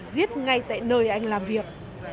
giết ngay tại nơi anh làm việc